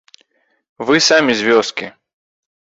Вы самі з вёскі.